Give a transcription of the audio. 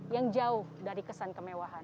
yang jauh dari kesan kemewahan